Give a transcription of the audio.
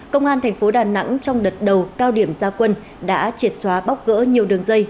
công an thành phố đà nẵng trong đợt đầu cao điểm gia quân đã triệt xóa bóc gỡ nhiều đường dây